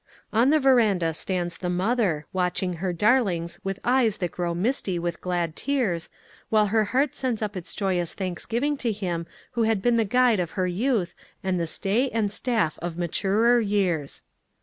On the veranda stands the mother, watching her darlings with eyes that grow misty with glad tears, while her heart sends up its joyous thanksgiving to Him who had been the Guide of her youth and the stay and staff of maturer years.